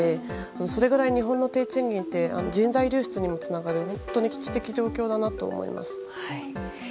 それぐらい日本の低賃金って人材流出にもつながる本当に危機的状況だと思います。